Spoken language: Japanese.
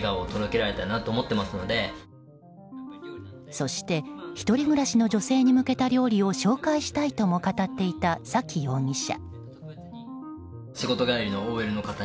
そして１人暮らしの女性に向けた料理を紹介したいとも語っていた崎容疑者。